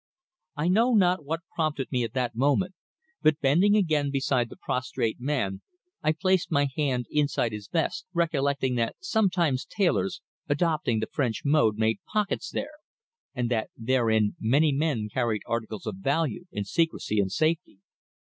I know not what prompted me at that moment, but bending again beside the prostrate man I placed my hand inside his vest, recollecting that sometimes tailors, adopting the French mode, made pockets there, and that therein many men carried articles of value in secrecy and safety.